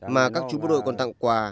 mà các chú bộ đội còn tặng quà